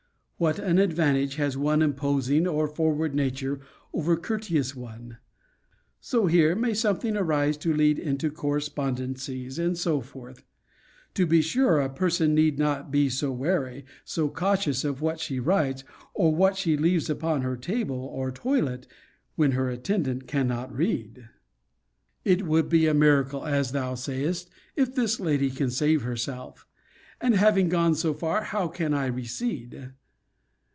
What an advantage has an imposing or forward nature over a courteous one! So here may something arise to lead into correspondencies, and so forth. To be sure a person need not be so wary, so cautious of what she writes, or what she leaves upon her table, or toilette, when her attendant cannot read. It would be a miracle, as thou sayest, if this lady can save herself And having gone so far, how can I recede?